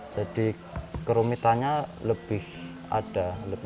jadi kerumitannya lebih ada